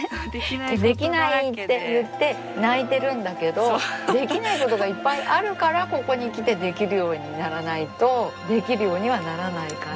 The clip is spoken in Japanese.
できないって言って泣いてるんだけどできないことがいっぱいあるからここに来てできるようにならないとできるようにはならないから。